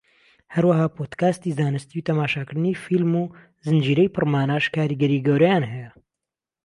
هەروەها پۆدکاستی زانستی و تەماشاکردنی فیلم و زنجیرەی پڕماناش کاریگەری گەورەیان هەیە